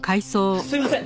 すいません！